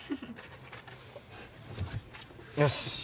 よし。